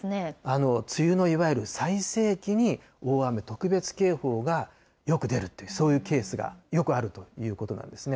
梅雨のいわゆる最盛期に、大雨特別警報がよく出るっていう、そういうケースがよくあるってことなんですね。